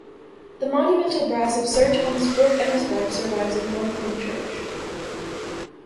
The monumental brass of Sir Thomas Brooke and his wife survives in Thorncombe Church.